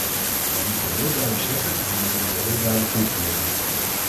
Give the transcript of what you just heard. Dat moeten we heel duidelijk zeggen en dat moeten we heel duidelijk controleren.